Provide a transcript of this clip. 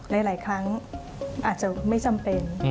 หลายครั้งอาจจะไม่จำเป็น